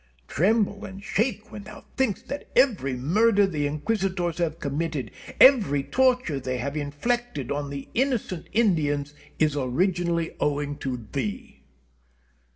Tremble and shake when thou thinkest that every murder the Inquisitors have committed, every torture they have inflicted on the innocent Indians, is originally owing to thee.